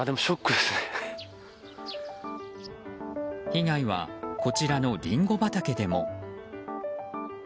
被害はこちらのリンゴ畑でも。